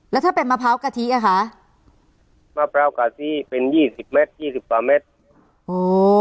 แล้วถ้าเป็นมะพร้าวกะทิอ่ะคะมะพร้าวกะทิเป็นยี่สิบเมตรยี่สิบกว่าเม็ดโอ้